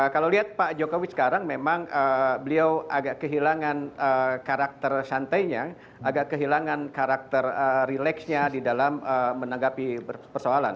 kalau lihat pak jokowi sekarang memang beliau agak kehilangan karakter santainya agak kehilangan karakter relaxnya di dalam menanggapi persoalan